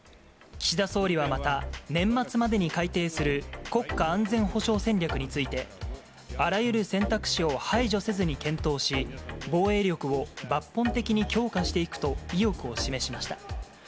岸田総理はまた、年末までに改定する、国家安全保障戦略について、あらゆる選択肢を排除せずに検討し、防衛力を抜本的に強化していくと、意欲を示しました。